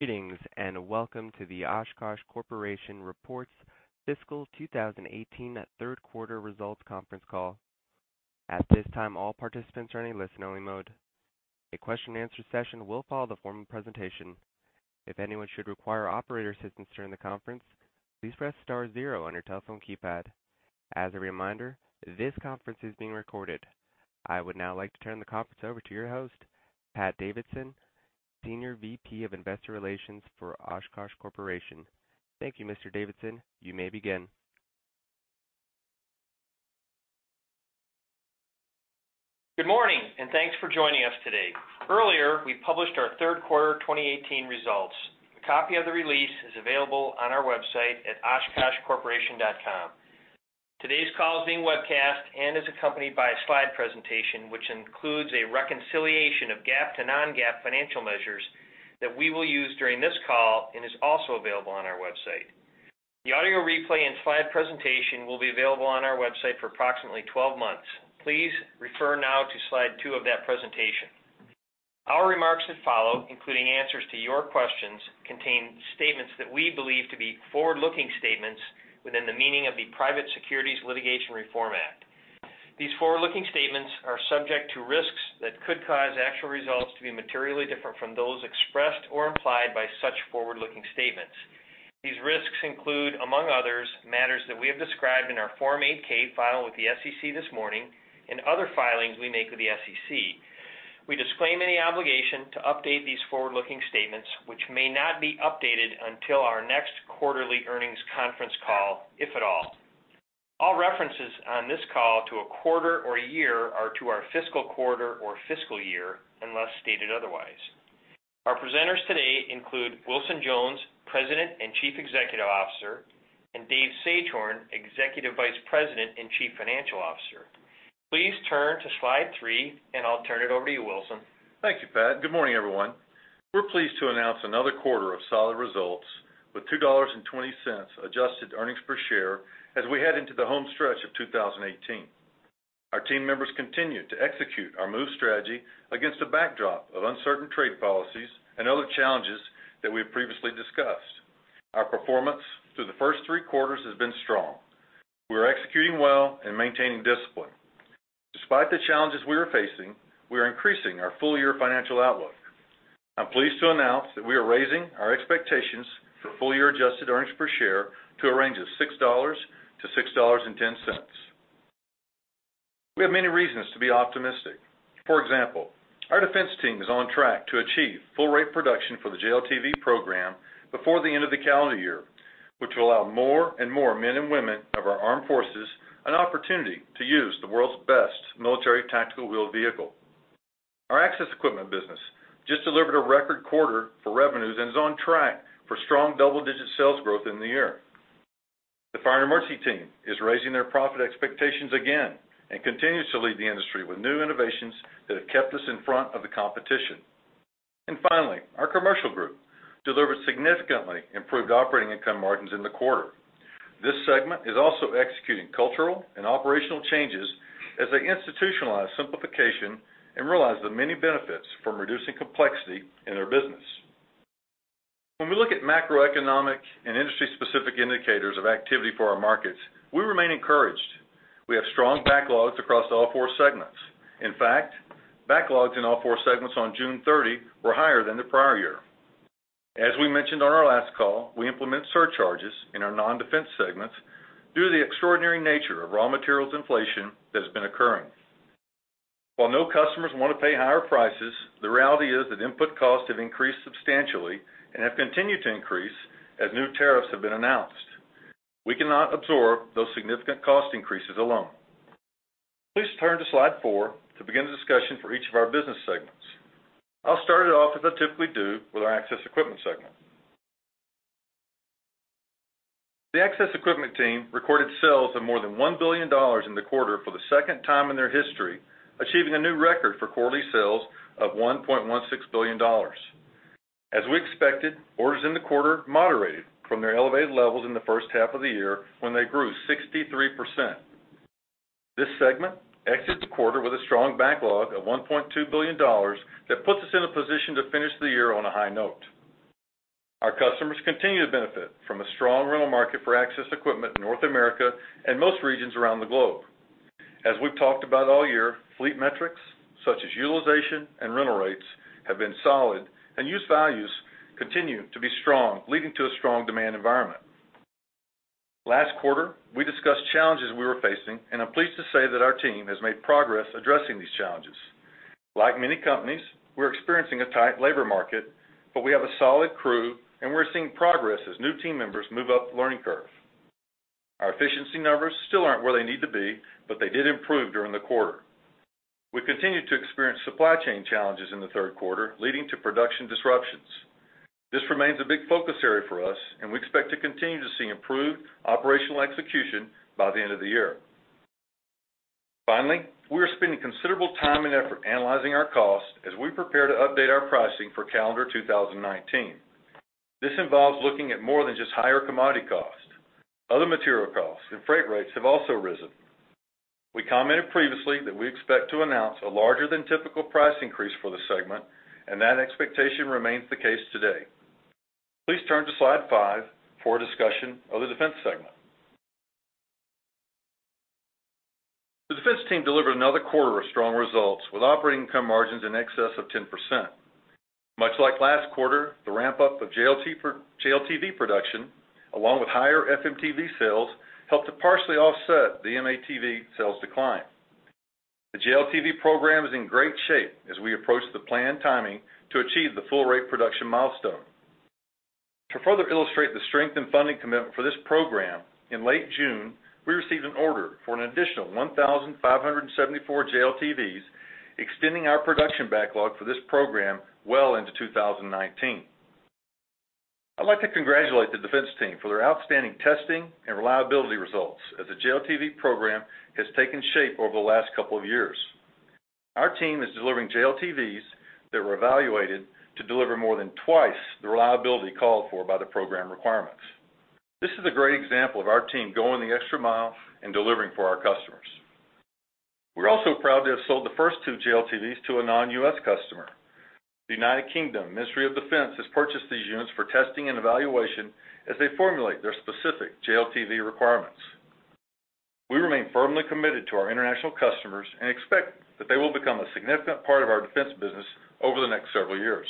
Greetings, and welcome to the Oshkosh Corporation Reports Fiscal 2018 Q3 Results conference call. At this time, all participants are in a listen-only mode. A question-and-answer session will follow the formal presentation. If anyone should require operator assistance during the conference, please press star zero on your telephone keypad. As a reminder, this conference is being recorded. I would now like to turn the conference over to your host, Pat Davidson, Senior VP of Investor Relations for Oshkosh Corporation. Thank you, Mr. Davidson. You may begin. Good morning, and thanks for joining us today. Earlier, we published our Q3 2018 results. A copy of the release is available on our website at oshkoshcorporation.com. Today's call is being webcast and is accompanied by a slide presentation, which includes a reconciliation of GAAP to non-GAAP financial measures that we will use during this call and is also available on our website. The audio replay and slide presentation will be available on our website for approximately 12 months. Please refer now to slide 2 of that presentation. Our remarks that follow, including answers to your questions, contain statements that we believe to be forward-looking statements within the meaning of the Private Securities Litigation Reform Act. These forward-looking statements are subject to risks that could cause actual results to be materially different from those expressed or implied by such forward-looking statements. These risks include, among others, matters that we have described in our Form 8-K filed with the SEC this morning and other filings we make with the SEC. We disclaim any obligation to update these forward-looking statements, which may not be updated until our next quarterly earnings conference call, if at all. All references on this call to a quarter or a year are to our fiscal quarter or fiscal year, unless stated otherwise. Our presenters today include Wilson Jones, President and Chief Executive Officer, and David Sagehorn, Executive Vice President and Chief Financial Officer. Please turn to slide 3, and I'll turn it over to you, Wilson. Thank you, Pat. Good morning, everyone. We're pleased to announce another quarter of solid results with $2.20 adjusted earnings per share as we head into the home stretch of 2018. Our team members continue to execute our MOVE strategy against a backdrop of uncertain trade policies and other challenges that we have previously discussed. Our performance through the first three quarters has been strong. We are executing well and maintaining discipline. Despite the challenges we are facing, we are increasing our full-year financial outlook. I'm pleased to announce that we are raising our expectations for full-year adjusted earnings per share to a range of $6-$6.10. We have many reasons to be optimistic. For example, our Defense team is on track to achieve full rate production for the JLTV program before the end of the calendar year, which will allow more and more men and women of our armed forces an opportunity to use the world's best military tactical wheeled vehicle. Our just delivered a record quarter for revenues and is on track for strong double-digit sales growth in the year. The Fire & Emergency team is raising their profit expectations again and continues to lead the industry with new innovations that have kept us in front of the competition. Finally, our Commercial group delivered significantly improved operating income margins in the quarter. This segment is also executing cultural and operational changes as they institutionalize simplification and realize the many benefits from reducing complexity in their business. When we look at macroeconomic and industry-specific indicators of activity for our markets, we remain encouraged. We have strong backlogs across all four segments. In fact, backlogs in all four segments on June 30 were higher than the prior year. As we mentioned on our last call, we implement surcharges in our non-Defense segments due to the extraordinary nature of raw materials inflation that has been occurring. While no customers want to pay higher prices, the reality is that input costs have increased substantially and have continued to increase as new tariffs have been announced. We cannot absorb those significant cost increases alone. Please turn to slide 4 to begin the discussion for each of our business segments. I'll start it off, as I typically do, with our Access Equipment segment. The Access Equipment team recorded sales of more than $1 billion in the quarter for the second time in their history, achieving a new record for quarterly sales of $1.16 billion. As we expected, orders in the quarter moderated from their elevated levels in the first half of the year, when they grew 63%. This segment exits the quarter with a strong backlog of $1.2 billion that puts us in a position to finish the year on a high note. Our customers continue to benefit from a strong rental market for Access equipment in North America and most regions around the globe. As we've talked about all year, fleet metrics, such as utilization and rental rates, have been solid and used values continue to be strong, leading to a strong demand environment. Last quarter, we discussed challenges we were facing, and I'm pleased to say that our team has made progress addressing these challenges. Like many companies, we're experiencing a tight labor market, but we have a solid crew, and we're seeing progress as new team members move up the learning curve. Our efficiency numbers still aren't where they need to be, but they did improve during the quarter. We continued to experience supply chain challenges in the Q3, leading to production disruptions. This remains a big focus area for us, and we expect to continue to see improved operational execution by the end of the year. Finally, we are spending considerable time and effort analyzing our costs as we prepare to update our pricing for calendar 2019. This involves looking at more than just higher commodity costs. Other material costs and freight rates have also risen. We commented previously that we expect to announce a larger than typical price increase for the segment, and that expectation remains the case today. Please turn to Slide 5 for a discussion of the Defense segment. The Defense team delivered another quarter of strong results, with operating income margins in excess of 10%. Much like last quarter, the ramp-up of JLTV production, along with higher FMTV sales, helped to partially offset the M-ATV sales decline. The JLTV program is in great shape as we approach the planned timing to achieve the full rate production milestone. To further illustrate the strength and funding commitment for this program, in late June, we received an order for an additional 1,574 JLTVs, extending our production backlog for this program well into 2019. I'd like to congratulate the Defense team for their outstanding testing and reliability results, as the JLTV program has taken shape over the last couple of years. Our team is delivering JLTVs that were evaluated to deliver more than twice the reliability called for by the program requirements. This is a great example of our team going the extra mile and delivering for our customers. We're also proud to have sold the first two JLTVs to a non-U.S. customer. The United Kingdom Ministry of Defence has purchased these units for testing and evaluation as they formulate their specific JLTV requirements. We remain firmly committed to our international customers and expect that they will become a significant part of our Defense business over the next several years.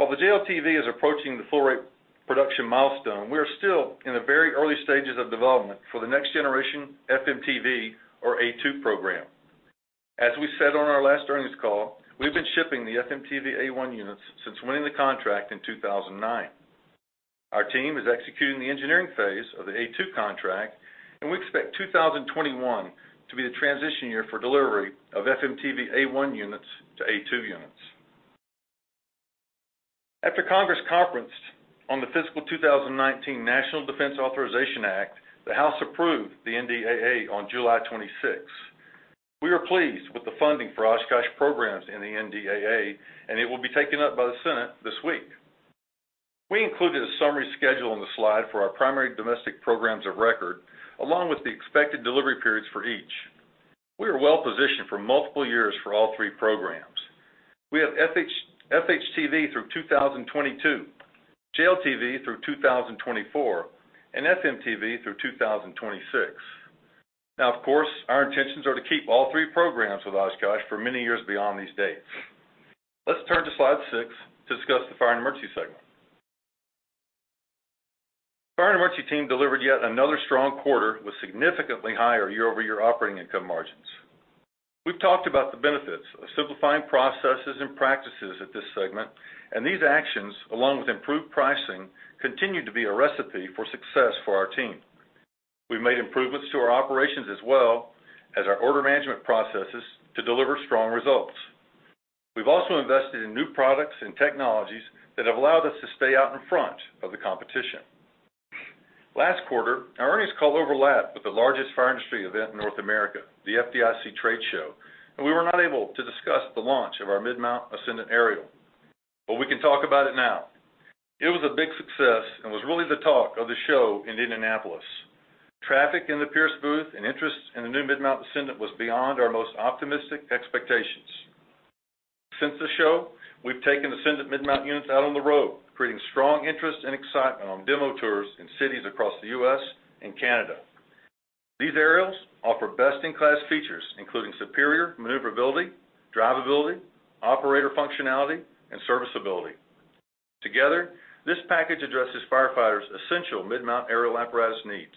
While the JLTV is approaching the full rate production milestone, we are still in the very early stages of development for the next generation FMTV or A2 program. As we said on our last earnings call, we've been shipping the FMTV A1 units since winning the contract in 2009. Our team is executing the engineering phase of the A2 contract, and we expect 2021 to be the transition year for delivery of FMTV A1 units to A2 units. After Congress conferenced on the Fiscal 2019 National Defense Authorization Act, the House approved the NDAA on July 26th. We are pleased with the funding for Oshkosh programs in the NDAA, and it will be taken up by the Senate this week. We included a summary schedule on the slide for our primary domestic programs of record, along with the expected delivery periods for each. We are well positioned for multiple years for all three programs. We have FHTV through 2022, JLTV through 2024, and FMTV through 2026. Now, of course, our intentions are to keep all three programs with Oshkosh for many years beyond these dates. Let's turn to Slide 6 to discuss the Fire & Emergency segment. Fire & Emergency team delivered yet another strong quarter with significantly higher year-over-year operating income margins. We've talked about the benefits of simplifying processes and practices at this segment, and these actions, along with improved pricing, continue to be a recipe for success for our team. We've made improvements to our operations as well as our order management processes to deliver strong results. We've also invested in new products and technologies that have allowed us to stay out in front of the competition. Last quarter, our earnings call overlapped with the largest fire industry event in North America, the FDIC Trade Show, and we were not able to discuss the launch of our Mid-Mount Ascendant Aerial, but we can talk about it now. It was a big success and was really the talk of the show in Indianapolis. Traffic in the Pierce booth and interest in the new Mid-Mount Ascendant was beyond our most optimistic expectations. Since the show, we've taken Ascendant Mid-Mount units out on the road, creating strong interest and excitement on demo tours in cities across the US and Canada. These aerials offer best-in-class features, including superior maneuverability, drivability, operator functionality, and serviceability. Together, this package addresses firefighters' essential mid-mount aerial apparatus needs.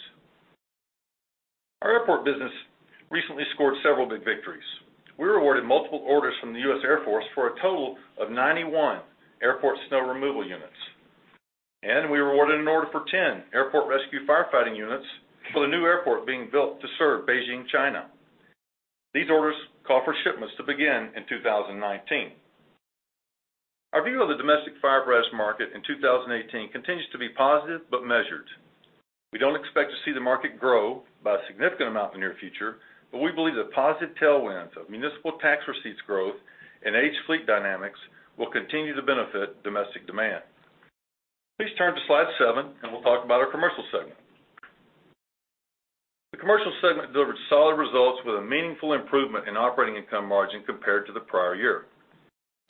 Our airport business recently scored several big victories. We were awarded multiple orders from the U.S. Air Force for a total of 91 airport snow removal units, and we were awarded an order for 10 airport rescue firefighting units for the new airport being built to serve Beijing, China. These orders call for shipments to begin in 2019. Our view of the domestic fire apparatus market in 2018 continues to be positive, but measured. We don't expect to see the market grow by a significant amount in the near future, but we believe the positive tailwinds of municipal tax receipts growth and aged fleet dynamics will continue to benefit domestic demand. Please turn to Slide 7, and we'll talk about our Commercial segment. The Commercial segment delivered solid results with a meaningful improvement in operating income margin compared to the prior year.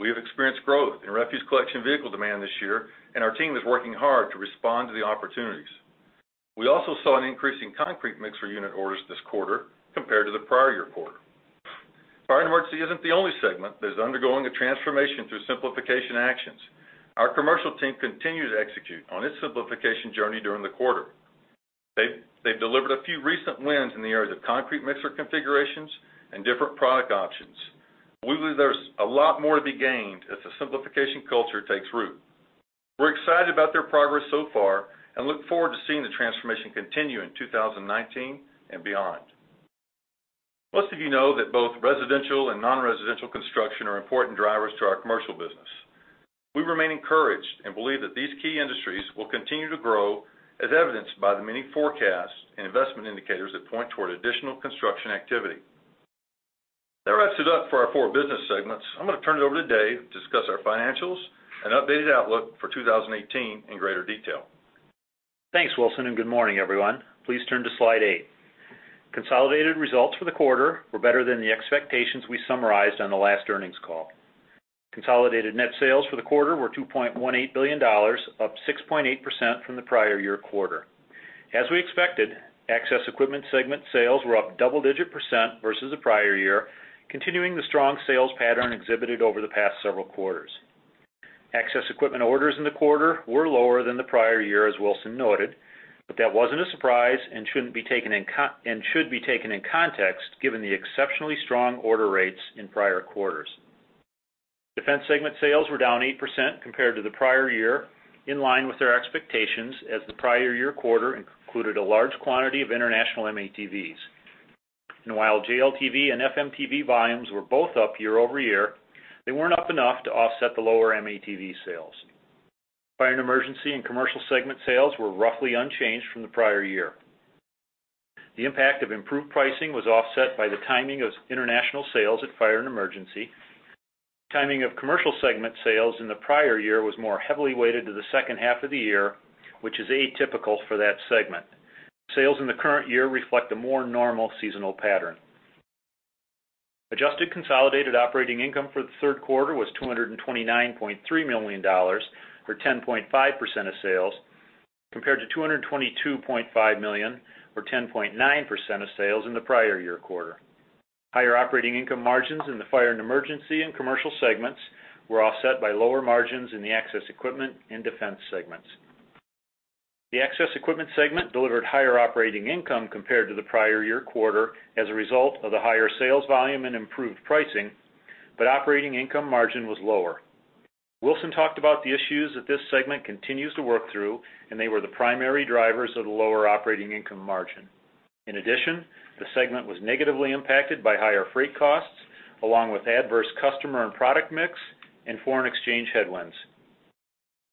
We have experienced growth in refuse collection vehicle demand this year, and our team is working hard to respond to the opportunities. We also saw an increase in concrete mixer unit orders this quarter compared to the prior year quarter. Fire & Emergency isn't the only segment that is undergoing a transformation through simplification actions. Our Commercial team continued to execute on its simplification journey during the quarter. They've delivered a few recent wins in the areas of concrete mixer configurations and different product options. We believe there's a lot more to be gained as the simplification culture takes root. We're excited about their progress so far and look forward to seeing the transformation continue in 2019 and beyond. Most of you know that both residential and non-residential construction are important drivers to our Commercial business. We remain encouraged and believe that these key industries will continue to grow, as evidenced by the many forecasts and investment indicators that point toward additional construction activity. That wraps it up for our four business segments. I'm gonna turn it over to David to discuss our financials and updated outlook for 2018 in greater detail. Thanks, Wilson, and good morning, everyone. Please turn to slide 8. Consolidated results for the quarter were better than the expectations we summarized on the last earnings call. Consolidated net sales for the quarter were $2.18 billion, up 6.8% from the prior year quarter. As we expected, Access Equipment segment sales were up double-digit % versus the prior year, continuing the strong sales pattern exhibited over the past several quarters. Access Equipment orders in the quarter were lower than the prior year, as Wilson noted, but that wasn't a surprise and shouldn't be taken in context, given the exceptionally strong order rates in prior quarters. Defense segment sales were down 8% compared to the prior year, in line with our expectations, as the prior year quarter included a large quantity of international M-ATVs. And while JLTV and FMTV volumes were both up year-over-year, they weren't up enough to offset the lower M-ATV sales. Fire & Emergency and Commercial segment sales were roughly unchanged from the prior year. The impact of improved pricing was offset by the timing of international sales at Fire & Emergency. Timing of Commercial segment sales in the prior year was more heavily weighted to the second half of the year, which is atypical for that segment. Sales in the current year reflect a more normal seasonal pattern. Adjusted consolidated operating income for the Q3 was $229.3 million, or 10.5% of sales, compared to $222.5 million, or 10.9% of sales, in the prior year quarter. Higher operating income margins in the Fire & Emergency and Commercial segments were offset by lower margins in the Access Equipment and Defense segments. The Access Equipment segment delivered higher operating income compared to the prior year quarter as a result of the higher sales volume and improved pricing, but operating income margin was lower. Wilson talked about the issues that this segment continues to work through, and they were the primary drivers of the lower operating income margin. In addition, the segment was negatively impacted by higher freight costs, along with adverse customer and product mix and foreign exchange headwinds.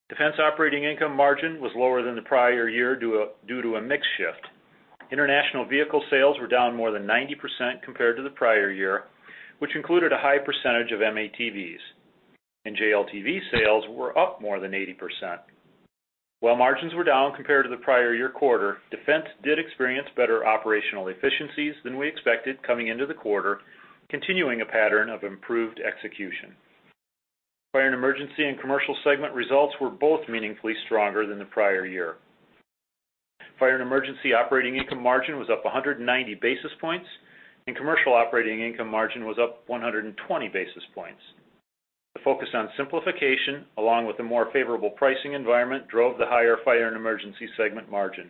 Defense operating income margin was lower than the prior year due to a mix shift. International vehicle sales were down more than 90% compared to the prior year, which included a high percentage of M-ATVs, and JLTV sales were up more than 80%. While margins were down compared to the prior year quarter, Defense did experience better operational efficiencies than we expected coming into the quarter, continuing a pattern of improved execution. Fire & Emergency and Commercial segment results were both meaningfully stronger than the prior year. Fire & Emergency operating income margin was up 100 basis points, and Commercial operating income margin was up 120 basis points. The focus on simplification, along with a more favorable pricing environment, drove the higher Fire & Emergency segment margin.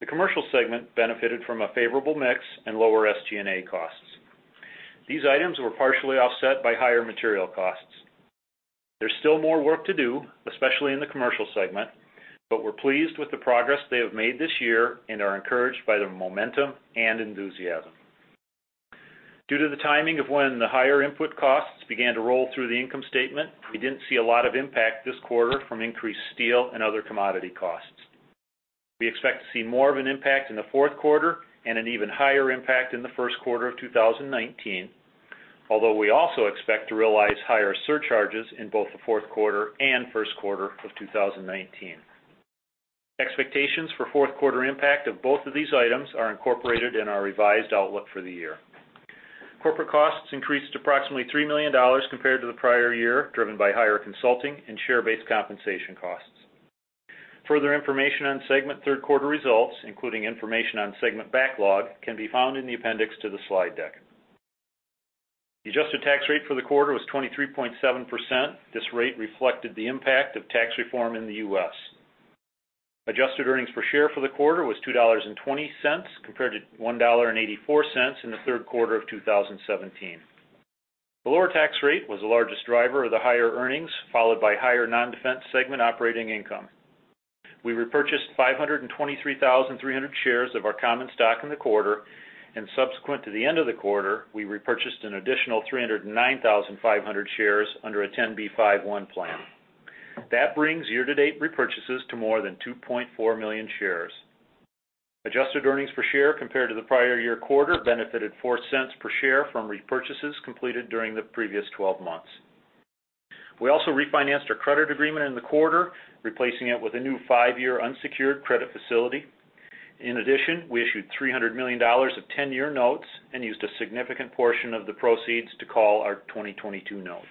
The Commercial segment benefited from a favorable mix and lower SG&A costs. These items were partially offset by higher material costs. There's still more work to do, especially in the Commercial segment, but we're pleased with the progress they have made this year and are encouraged by their momentum and enthusiasm. Due to the timing of when the higher input costs began to roll through the income statement, we didn't see a lot of impact this quarter from increased steel and other commodity costs. We expect to see more of an impact in the Q4 and an even higher impact in the Q1 of 2019, although we also expect to realize higher surcharges in both the Q4 and Q1 of 2019. Expectations for Q4 impact of both of these items are incorporated in our revised outlook for the year. Corporate costs increased to approximately $3 million compared to the prior year, driven by higher consulting and share-based compensation costs. Further information on segment Q3 results, including information on segment backlog, can be found in the appendix to the slide deck. The adjusted tax rate for the quarter was 23.7%. This rate reflected the impact of tax reform in the U.S. Adjusted earnings per share for the quarter was $2.20, compared to $1.84 in the Q3 of 2017. The lower tax rate was the largest driver of the higher earnings, followed by higher non-Defense segment operating income. We repurchased 523,300 shares of our common stock in the quarter, and subsequent to the end of the quarter, we repurchased an additional 309,500 shares under a 10b5-1 plan. That brings year-to-date repurchases to more than 2.4 million shares. Adjusted earnings per share compared to the prior year quarter benefited $0.04 per share from repurchases completed during the previous 12 months. We also refinanced our credit agreement in the quarter, replacing it with a new five year unsecured credit facility. In addition, we issued $300 million of 10-year notes and used a significant portion of the proceeds to call our 2022 notes.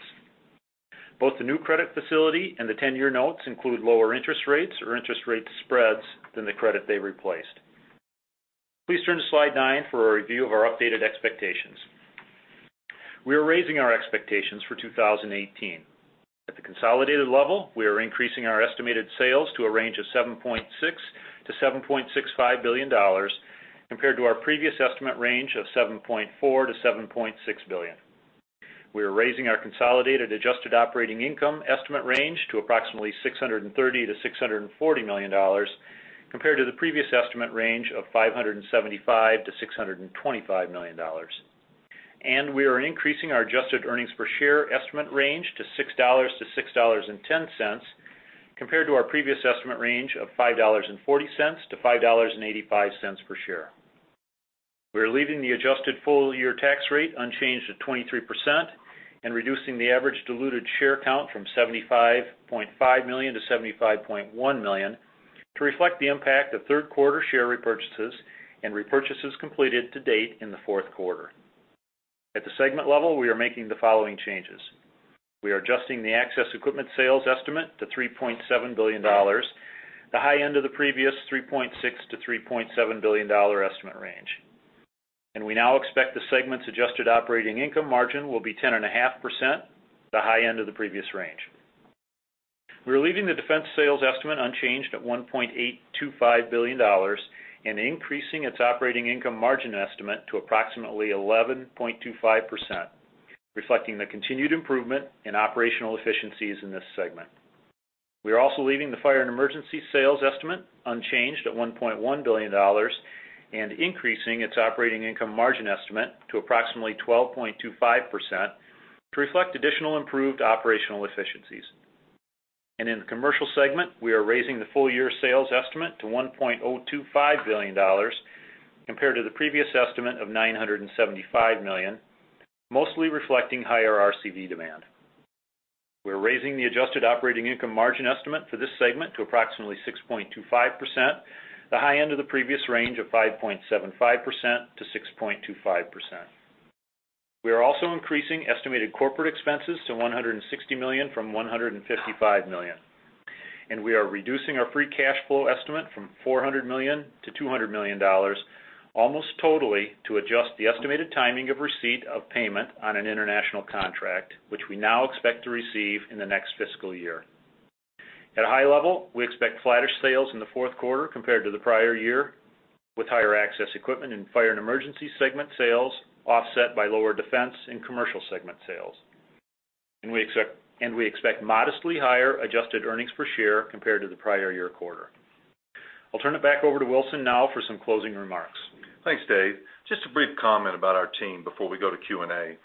Both the new credit facility and the 10-year notes include lower interest rates or interest rate spreads than the credit they replaced. Please turn to slide 9 for a review of our updated expectations. We are raising our expectations for 2018. At the consolidated level, we are increasing our estimated sales to a range of $7.6-$7.65 billion, compared to our previous estimate range of $7.4-$7.6 billion. We are raising our consolidated adjusted operating income estimate range to approximately $630-$640 million, compared to the previous estimate range of $575-$625 million. We are increasing our adjusted earnings per share estimate range to $6-$6.10, compared to our previous estimate range of $5.40-$5.85 per share. We are leaving the adjusted full-year tax rate unchanged at 23% and reducing the average diluted share count from 75.5-75.1 million, to reflect the impact of Q3 share repurchases and repurchases completed to date in the Q4. At the segment level, we are making the following changes. We are adjusting the Access Equipment sales estimate to $3.7 billion, the high end of the previous $3.6-$3.7 billion estimate range. We now expect the segment's adjusted operating income margin will be 10.5%, the high end of the previous range. We're leaving the Defense sales estimate unchanged at $1.825 billion and increasing its operating income margin estimate to approximately 11.25%, reflecting the continued improvement in operational efficiencies in this segment. We are also leaving the Fire & Emergency sales estimate unchanged at $1.1 billion and increasing its operating income margin estimate to approximately 12.25% to reflect additional improved operational efficiencies. In the commercial segment, we are raising the full year sales estimate to $1.025 billion, compared to the previous estimate of $975 million, mostly reflecting higher RCV demand. We're raising the adjusted operating income margin estimate for this segment to approximately 6.25%, the high end of the previous range of 5.75%-6.25%. We are also increasing estimated corporate expenses to $160-$155 million, and we are reducing our free cash flow estimate from $400-$200 million, almost totally to adjust the estimated timing of receipt of payment on an international contract, which we now expect to receive in the next fiscal year. At a high level, we expect flatter sales in the Q4 compared to the prior year, with higher Access Equipment and Fire & Emergency segment sales offset by lower Defense and Commercial segment sales. We expect modestly higher adjusted earnings per share compared to the prior year quarter. I'll turn it back over to Wilson now for some closing remarks. Thanks, David. Just a brief comment about our team before we go to Q&A.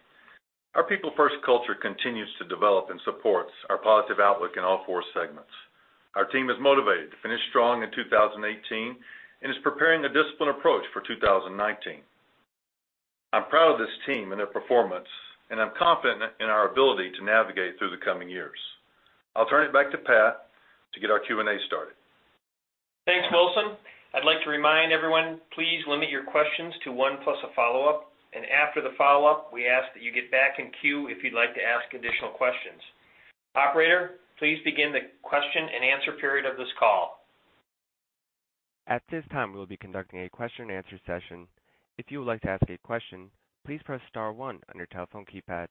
Our people-first culture continues to develop and supports our positive outlook in all four segments. Our team is motivated to finish strong in 2018, and is preparing a disciplined approach for 2019. I'm proud of this team and their performance, and I'm confident in our ability to navigate through the coming years. I'll turn it back to Pat to get our Q&A started. Thanks, Wilson. I'd like to remind everyone, please limit your questions to one plus a follow-up, and after the follow-up, we ask that you get back in queue if you'd like to ask additional questions. Operator, please begin the question and answer period of this call. At this time, we'll be conducting a question and answer session. If you would like to ask a question, please press star one on your telephone keypad.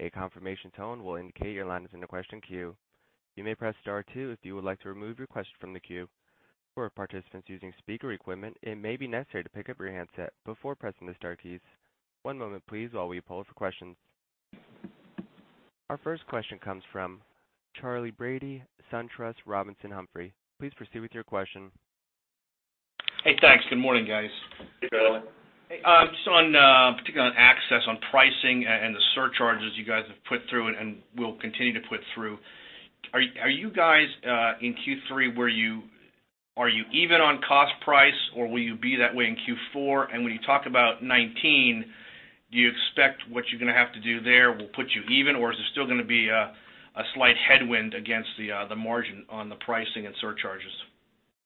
A confirmation tone will indicate your line is in the question queue. You may press star two if you would like to remove your question from the queue. For participants using speaker equipment, it may be necessary to pick up your handset before pressing the star keys. One moment please, while we poll for questions. Our first question comes from Charlie Brady, SunTrust Robinson Humphrey. Please proceed with your question. Hey, thanks. Good morning, guys. Hey, Charlie. Hey, just on, particularly on Access, on pricing and the surcharges you guys have put through and will continue to put through. Are you guys in Q3 even on cost price? or will you be that way in Q4? And when you talk about 19, do you expect what you're gonna have to do there will put you even, or is it still gonna be a slight headwind against the margin on the pricing and surcharges?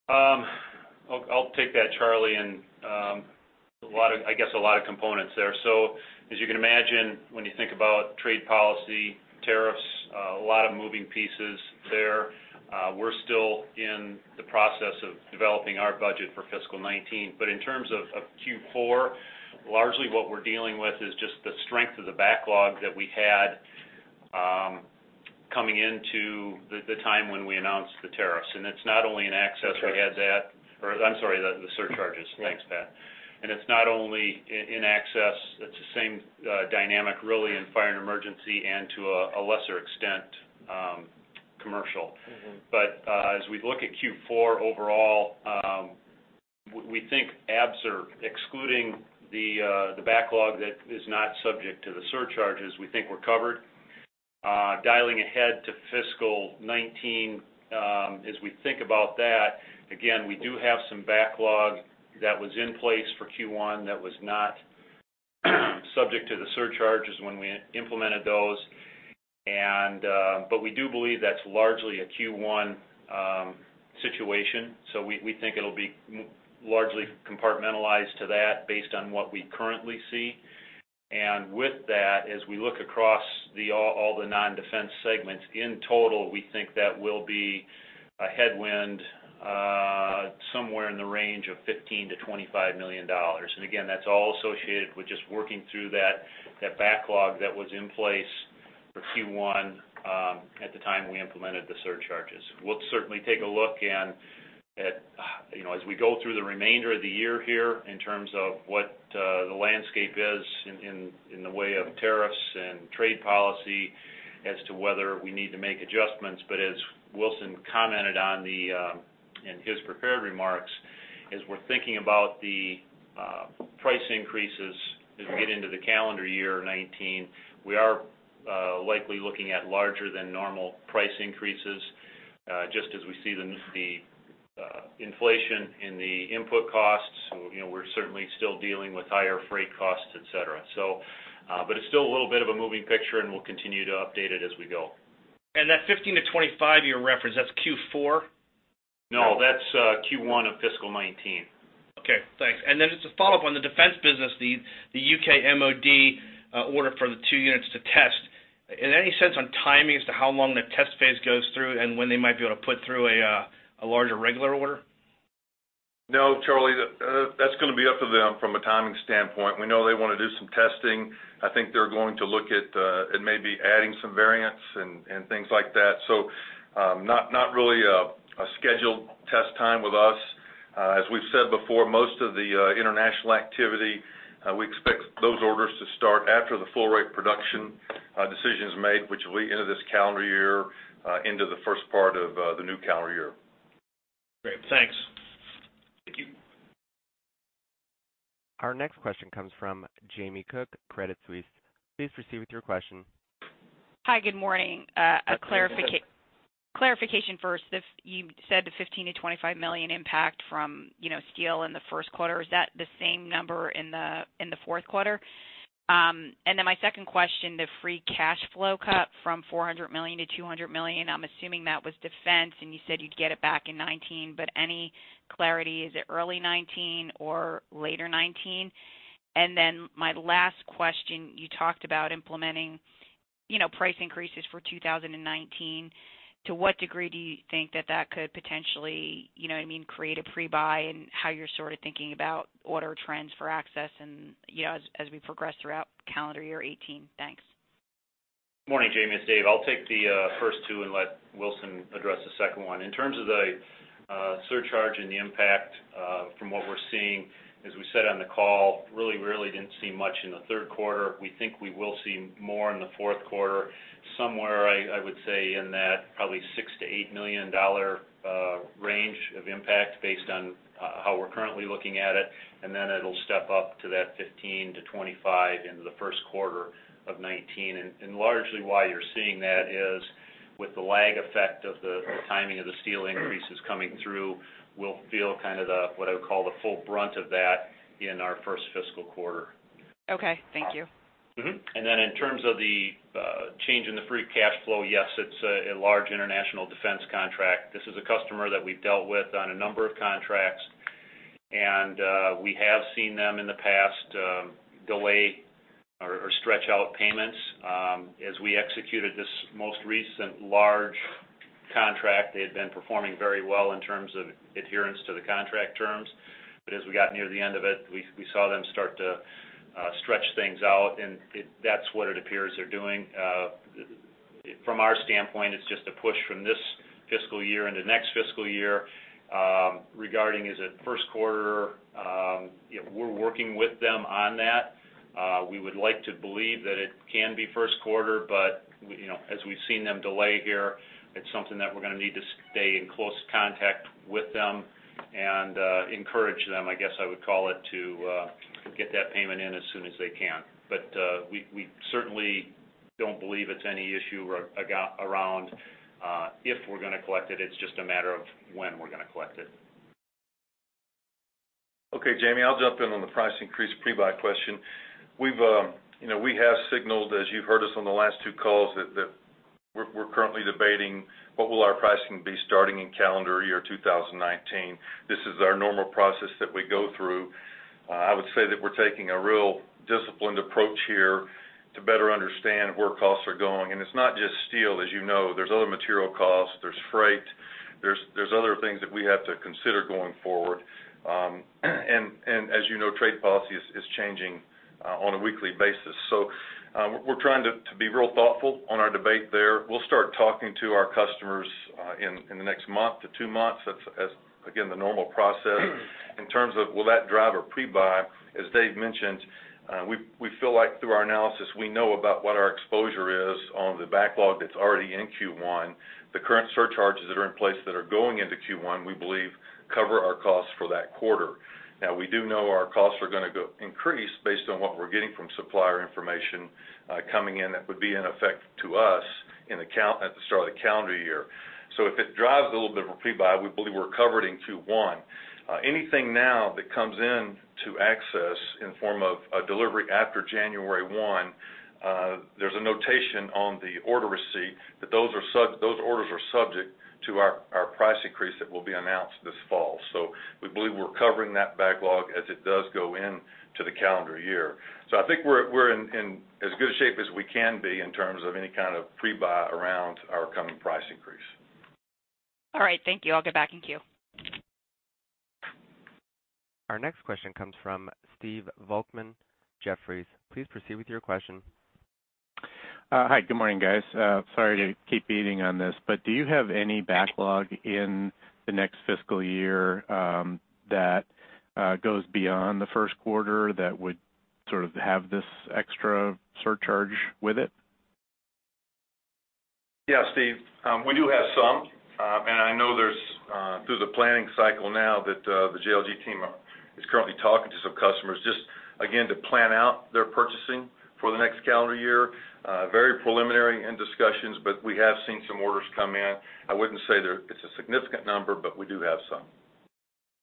I'll take that, Charlie, and a lot of, I guess, a lot of components there. As you can imagine, when you think about trade policy, tariffs, a lot of moving pieces there. We're still in the process of developing our budget for fiscal 2019 but in terms of Q4, largely what we're dealing with is just the strength of the backlog that we had coming into the time when we announced the tariffs and it's not only in Access, we had that- Or, I'm sorry, the surcharges. Yeah. Thanks, Pat. And it's not only in Access, it's the same dynamic really in Fire & Emergency and to a lesser extent, commercial. Mm-hmm. But, as we look at Q4 overall, we think abs are excluding the, the backlog that is not subject to the surcharges, we think we're covered. Dialing ahead to fiscal 2019, as we think about that, again, we do have some backlog that was in place for Q1 that was not subject to the surcharges when we implemented those. But we do believe that's largely a Q1 situation, so we think it'll be largely compartmentalized to that based on what we currently see. And, with that, as we look across all the non-Defense segments, in total, we think that will be a headwind, somewhere in the range of $15-$25 million again, that's all associated with just working through that backlog that was in place for Q1 at the time we implemented the surcharges. We'll certainly take a look at. You know, as we go through the remainder of the year here, in terms of what the landscape is in the way of tariffs and trade policy, as to whether we need to make adjustments but as, Wilson commented on in his prepared remarks, as we're thinking about the price increases as we get into the calendar year 2019, we are likely looking at larger than normal price increases, just as we see the inflation in the input costs. You know, we're certainly still dealing with higher freight costs, et cetera. But it's still a little bit of a moving picture, and we'll continue to update it as we go. That 15-25 you referenced, that's Q4? No, that's Q1 of fiscal 2019. Okay, thanks. And then just a follow-up on the Defense business, the UK MOD order for the 2 units to test. Any sense on timing as to how long the test phase goes through and when they might be able to put through a larger regular order? No, Charlie, the, that's gonna be up to them from a timing standpoint. We know they wanna do some testing. I think they're going to look at, at maybe adding some variants and things like that. So, not really a scheduled test time with us. As we've said before, most of the international activity, we expect those orders to start after the full rate production decision is made, which will be end of this calendar year, into the first part of the new calendar year. Great. Thanks. Thank you. Our next question comes from Jamie Cook, Credit Suisse. Please proceed with your question. Hi, good morning. A clarification first. If you said the $15-$25 million impact from, you know, steel in the Q1, is that the same number in the Q4? And then my second question, the free cash flow cut from $400-$200 million, I'm assuming that was Defense, and you said you'd get it back in 2019, but any clarity? Is it early 2019 or later 2019? And then, my last question, you talked about implementing, you know, price increases for 2019. To what degree do you think that that could potentially, you know what I mean, create a pre-buy, and how? you're sort of thinking about order trends for Access and, you know, as we progress throughout calendar year 2018? Thanks. Morning, Jamie, it's David. I'll take the first two and let Wilson address the second one in terms of the surcharge and the impact from what we're seeing, as we said on the call, really really didn't see much in the Q3 we think we will see more in the Q4. Somewhere I would say in that probably $6-$8 million range of impact based on how we're currently looking at it, and then it'll step up to that 15-25 into the Q1 of 2019. And, and largely why you're seeing that is, with the lag effect of the timing of the steel increases coming through, we'll feel kind of the what I would call the full brunt of that in our first fiscal quarter. Okay. Thank you. And then in terms of the change in the free cash flow, yes, it's a large international Defense contract. This is a customer that we've dealt with on a number of contracts, and we have seen them, in the past, delay or stretch out payments. As, we executed this most recent large contract, they had been performing very well in terms of adherence to the contract terms. But as we got near the end of it, we saw them start to stretch things out, and that's what it appears they're doing. From our standpoint, it's just a push from this fiscal year into next fiscal year. Regarding, is it Q1? You know, we're working with them on that. We would like to believe that it can be Q1, but, we, you know, as we've seen them delay here, it's something that we're gonna need to stay in close contact with them and, encourage them, I guess I would call it, to, get that payment in as soon as they can. But, we, we certainly don't believe it's any issue around, if we're gonna collect it, it's just a matter of when we're gonna collect it. Okay, Jamie, I'll jump in on the price increase pre-buy question. We've, you know, we have signaled, as you've heard us on the last two calls, that we're currently debating what will our pricing be starting in calendar year 2019. This is our normal process that we go through. I would say that we're taking a real disciplined approach here to better understand where costs are going and it's not just steel, as you know there's other material costs, there's freight, there's other things that we have to consider going forward. And, as you know, trade policy is changing on a weekly basis, we're trying to be real thoughtful on our debate there we'll start talking to our customers in the next month to two months that's, again, the normal process. In terms of, will that drive a pre-buy? As David mentioned, we feel like through our analysis, we know about what our exposure is on the backlog that's already in Q1. The current surcharges that are in place that are going into Q1, we believe cover our costs for that quarter. Now, we do know our costs are gonna go increase based on what we're getting from supplier information, coming in that would be in effect to us, at the start of the calendar year. So, if it drives a little bit of a pre-buy, we believe we're covered in Q1. Anything now that comes in to Access in form of a delivery after January 1, there's a notation on the order receipt that those orders are subject to our price increase that will be announced this fall. So,n we believe we're covering that backlog as it does go into the calendar year. I think we're in as good a shape as we can be in terms of any kind of pre-buy around our coming price increase. All right. Thank you. I'll get back in queue. Our next question comes from Steve Volkmann, Jefferies. Please proceed with your question. Hi, good morning, guys. Sorry to keep beating on this, but do you have any backlog in the next fiscal year? that goes beyond the Q1 that would sort of have this extra surcharge with it? Yeah, Steve, we do have some, and I know there's through the planning cycle now that the JLG team is currently talking to some customers, just again, to plan out their purchasing for the next calendar year. Very preliminary in discussions, but we have seen some orders come in. I wouldn't say it's a significant number, but we do have some.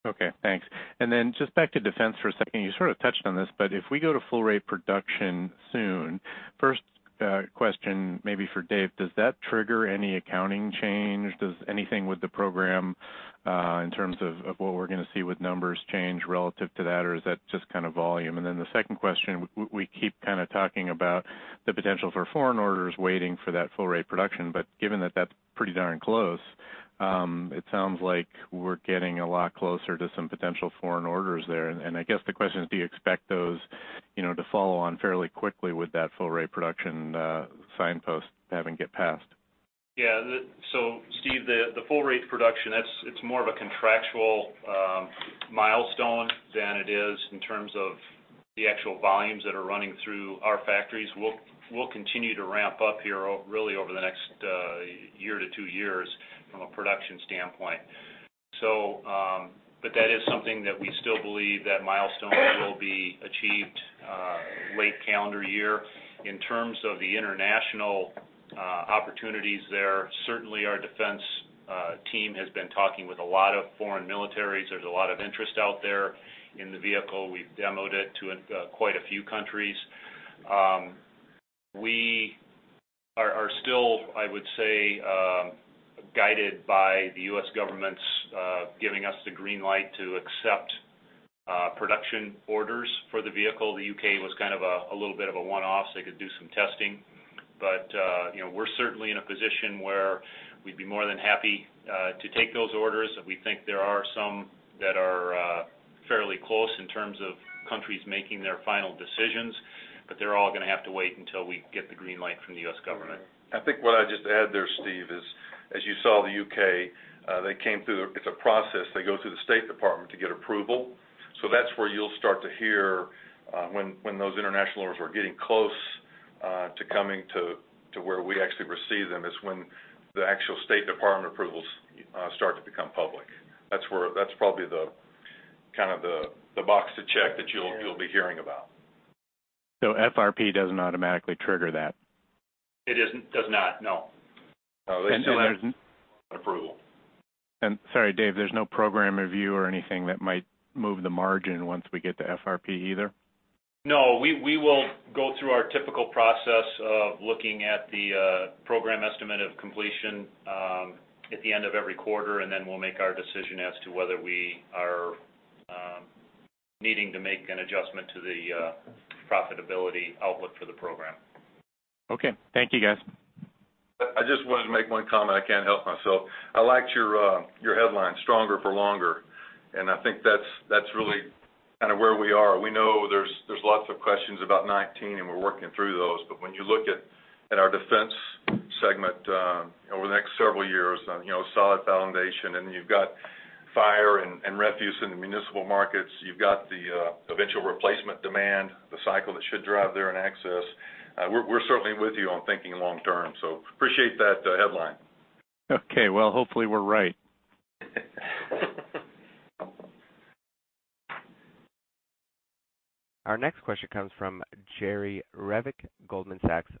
Okay, thanks. And then just back to Defense for a second you sort of touched on this, but if we go to full rate production soon, first question maybe for David, does that trigger any accounting change? Does anything with the program in terms of what we're gonna see with numbers change relative to that, or is that just kind of volume? And then the second question, we keep kind of talking about the potential for foreign orders waiting for that full rate production, but given that that's pretty darn close. It sounds like we're getting a lot closer to some potential foreign orders there and I guess the question is, Do you expect those? you know, to follow on fairly quickly with that full rate production signpost having gotten past? Yeah, so Steve, the full-rate production, it's more of a contractual milestone than it is in terms of the actual volumes that are running through our factories. We'll continue to ramp up here really over the next year to two years from a production standpoint. So, but that is something that we still believe that milestone will be achieved late calendar year. In terms of the international opportunities there, certainly, our Defense team has been talking with a lot of foreign militaries there's a lot of interest out there, in the vehicle we've demoed it to quite a few countries. We are still, I would say, guided by the U.S. government's giving us the green light to accept production orders for the vehicle the U.K. was kind of a little bit of a one-off, so they could do some testing. But, you know, we're certainly in a position where we'd be more than happy to take those orders, and we think there are some that are fairly close in terms of countries making their final decisions, but they're all gonna have to wait until we get the green light from the U.S. government. I think what I'd just add there, Steve, is, as you saw, the UK, they came through it's a process. They go through the State Department to get approval. So that's where you'll start to hear, when, when those international orders are getting close, to coming to, to where we actually receive them, is when the actual State Department approvals start to become public. That's where-- that's probably the, kind of the, the box to check that you'll, you'll be hearing about. FRP doesn't automatically trigger that? It isn't, does not, no. They still have- And there's approval. And sorry, David, there's no program review or anything that might move the margin once we get to FRP either? No, we will go through our typical process of looking at the program estimate of completion at the end of every quarter, and then we'll make our decision as to whether we are needing to make an adjustment to the profitability outlook for the program. Okay. Thank you, guys. I just wanted to make one comment. I can't help myself. I liked your headline, Stronger for Longer, and I think that's, that's really kind of where we are, we know there's, there's lots of questions about 2019, and we're working through those but, when you look at our Defense segment over the next several years, you know, solid foundation, and you've got fire and refuse in the municipal markets, you've got the eventual replacement demand, the cycle that should drive there and Access, we're certainly with you on thinking long term. So, appreciate that, headline. Okay, well, hopefully, we're right. Our next question comes from Jerry Revich, Goldman Sachs.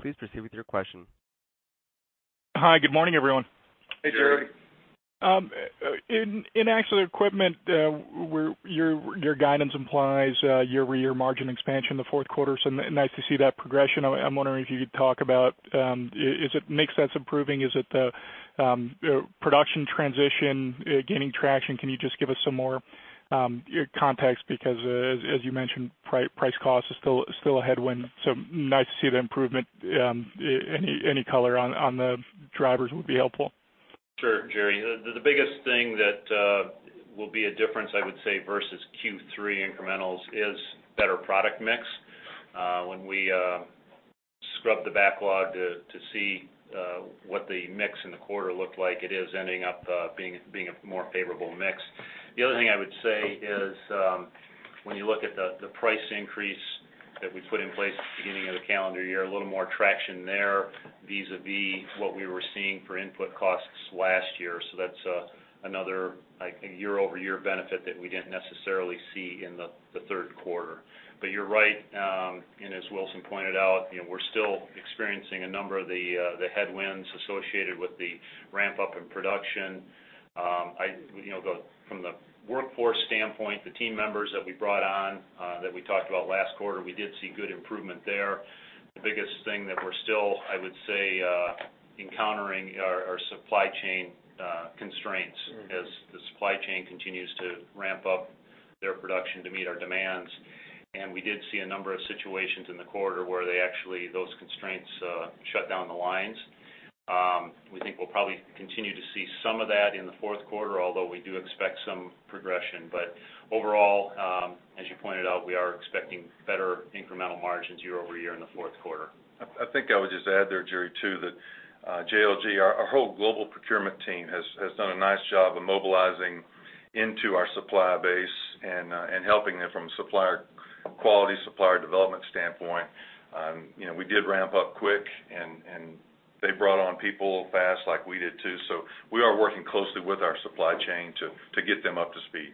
Please proceed with your question. Hi, good morning, everyone. Hey, Jerry. Jerry. In actual equipment, your guidance implies year-over-year margin expansion in the Q4, so nice to see that progression. I'm wondering if you could talk about, is it mix that's improving? Is it the production transition gaining traction? Can you just give us some more? context because, as you mentioned, price cost is still a headwind, so nice to see the improvement. Any color on the drivers would be helpful. Sure, Jerry. The biggest thing that will be a difference, I would say, versus Q3 incrementals is better product mix. When we scrub the backlog to see what the mix in the quarter looked like, it is ending up being a more favorable mix. The other thing I would say is, when you look at the price increase that we put in place at the beginning of the calendar year, a little more traction there, vis-a-vis what we were seeing for input costs last year that's another, I think, year-over-year benefit that we didn't necessarily see in the Q3. But you're right, and as Wilson pointed out, you know, we're still experiencing a number of the headwinds associated with the ramp-up in production. You know, the, from the workforce standpoint, the team members that we brought on, that we talked about last quarter, we did see good improvement there. The biggest thing that we're still, I would say, encountering, are supply chain constraints. Mm-hmm. - as he supply chain continues to ramp up their production to meet our demands. And we did see a number of situations in the quarter where they actually, those constraints, shut down the lines? We think we'll probably continue to see some of that in the Q4, although we do expect some progression. verall, as you pointed out, we are expecting better incremental margins year-over-year in the Q4. I think I would just add there, Jerry, too, that our whole global procurement team has done a nice job of mobilizing into our supplier base and helping them from a supplier quality, supplier development standpoint. You know, we did ramp up quick, and they brought on people fast, like we did too. So we are working closely with our supply chain to get them up to speed.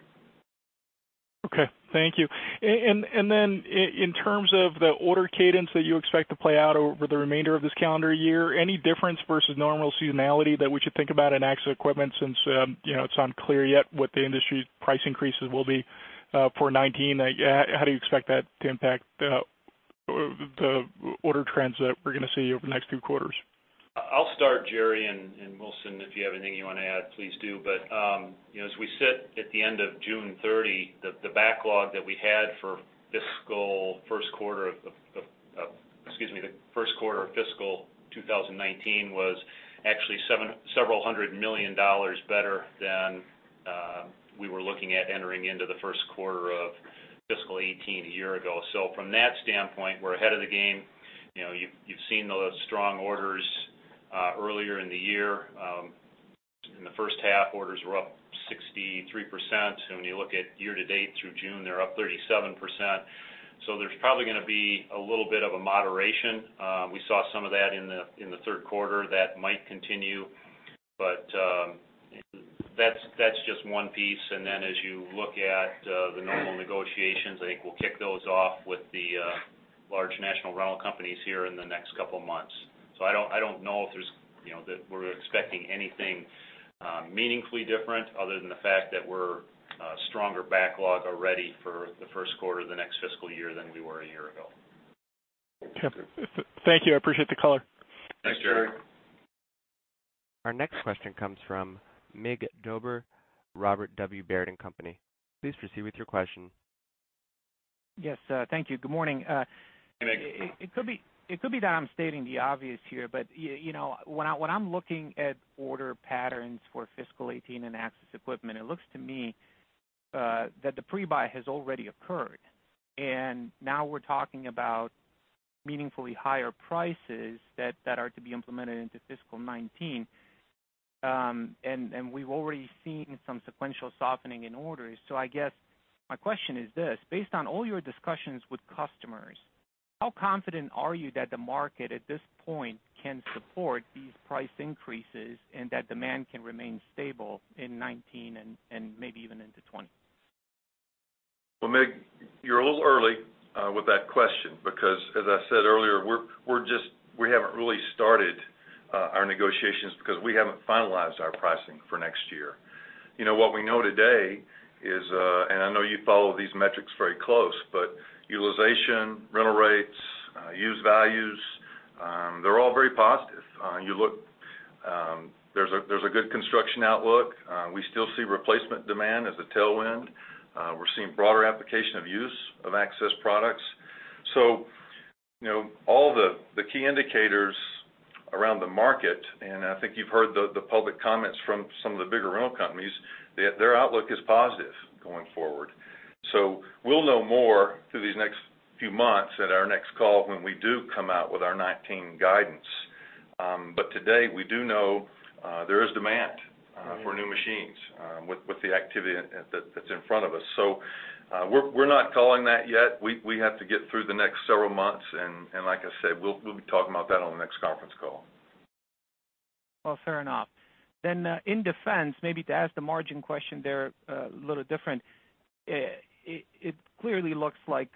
Okay. Thank you. And then in terms of the order cadence that you expect to play out over the remainder of this calendar year, any difference versus normal seasonality that we should think about in Access Equipment since, you know, it's unclear yet what the industry price increases will be for 2019? How do you expect that to impact the order trends that we're gonna see over the next few quarters? I'll start, Jerry, and Wilson, if you have anything you want to add, please do. But, you know, as we sit at the end of June 30, the backlog that we had for the Q1 of fiscal 2019 was actually several hundred million dollars better than we were looking at entering into the Q1 of fiscal 2018 a year ago from that standpoint, we're ahead of the game. You know, you've seen those strong orders earlier in the year. In the first half, orders were up 63% when you look at year to date through June, they're up 37%. So, there's probably gonna be a little bit of a moderation. We saw some of that in the Q3 that might continue but, that's just one piece and then as you look at the normal negotiations, I think we'll kick those off with the large national rental companies here in the next couple of months. I don't know if there's, you know, that we're expecting anything meaningfully different, other than the fact that we're stronger backlog already for the Q1 of the next fiscal year than we were a year ago. Okay. Thank you. I appreciate the color. Thanks, Jerry. Thanks. Our next question comes from Mircea Dobre, Robert W. Baird & Co. Please proceed with your question. Yes, thank you. Good morning. Hey, Mig. It could be that I'm stating the obvious here, but, you know, when I'm looking at order patterns for fiscal 2018 and Access equipment, it looks to me that the pre-buy has already occurred. And, now we're talking about meaningfully higher prices that are to be implemented into fiscal 2019. And, we've already seen some sequential softening in orders. I guess my question is this, based on all your discussions with customers, how confident are you that the market, at this point, can support these price increases, and that demand can remain stable in 2019 and maybe even into 2020? Well, Mig, you're a little early with that question because, as I said earlier, we haven't really started our negotiations because we haven't finalized our pricing for next year. You know, what we know today is, and I know you follow these metrics very close, but utilization, rental rates, used values, they're all very positive. You look, there's a good construction outlook. We still see replacement demand as a tailwind. We're seeing broader application of use of Access products. So, you know, all the key indicators around the market, and I think you've heard the public comments from some of the bigger rental companies, their outlook is positive going forward. We'll know more through these next few months at our next call when we do come out with our 2019 guidance. But today, we do know there is demand for new machines with the activity that's in front of us. We're not calling that yet. We have to get through the next several months, and like I said, we'll be talking about that on the next conference call. Well, fair enough. Then, in Defense, maybe to ask the margin question there, a little different. It clearly looks like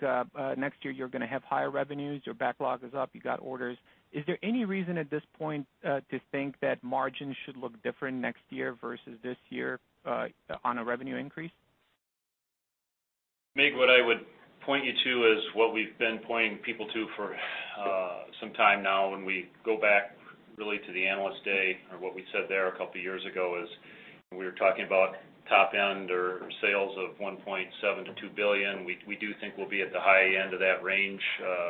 next year, you're gonna have higher revenues. Your backlog is up you got orders. Is there any reason at this point to think that margins should look different next year versus this year on a revenue increase? Mig, what I would point you to is what we've been pointing people to for some time now when we go back really to the Analyst Day or what we said there a couple of years ago is, we were talking about top end or sales of $1.7-$2 billion we do think we'll be at the high end of that range,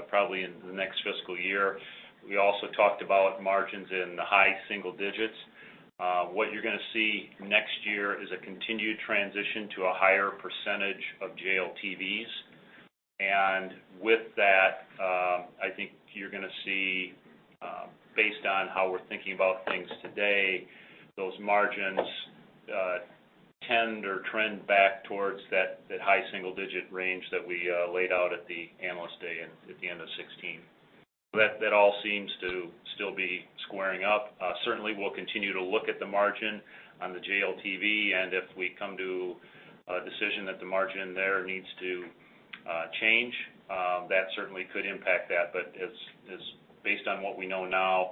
probably in the next fiscal year. We also talked about margins in the high single digits. What you're gonna see next year is a continued transition to a higher percentage of JLTVs. And with that, I think you're gonna see, based on how we're thinking about things today, those margins tend or trend back towards that high single-digit range that we laid out at the Analyst Day at the end of 2016. That all seems to still be squaring up. Certainly, we'll continue to look at the margin on the JLTV, and if we come to a decision that the margin there needs to change, that certainly could impact that but as based on what we know now,